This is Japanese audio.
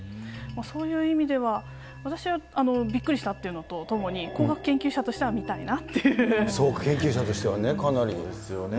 そういう意味では、私はびっくりしたというのとともに、そうか、研究者としてはね。かなりですよね。